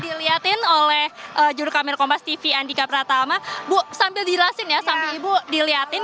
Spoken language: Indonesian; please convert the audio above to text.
dilihatin oleh juru kamir kompas tv andika pratama bu sambil dijelasin ya sambil ibu dilihatin